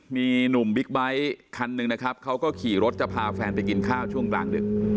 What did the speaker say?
มีหนุ่มบิ๊กไบท์คันหนึ่งนะครับเขาก็ขี่รถจะพาแฟนไปกินข้าวช่วงกลางดึก